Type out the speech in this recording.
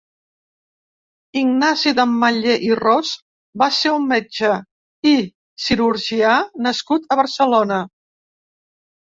Ignasi d’Ametller i Ros va ser un metge i cirurgià nascut a Barcelona.